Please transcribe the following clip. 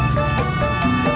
bang kopinya nanti aja ya